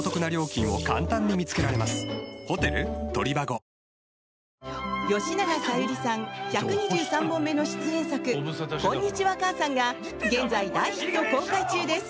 紙パンツ用パッドは「ライフリー」吉永小百合さん１２３本目の出演作「こんにちは、母さん」が現在、大ヒット公開中です。